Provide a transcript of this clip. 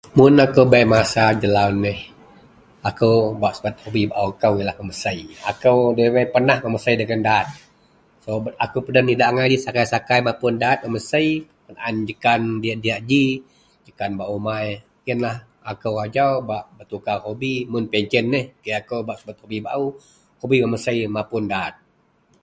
Mun aku bei masa jelau neh aku bak subat hobi baau kou ialah memesai. Aku debai pernah memesai mapun daad.aku peden idak angai ji sakai-sakai kou mapun daad memesai jekan diak-diak ji bak umai. Aku ajau ba buka hobi mun ngak pencen neh hobi memesai mapun daad.